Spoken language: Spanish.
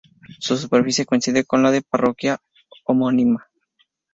Su superficie coincide con la de la parroquia homónima.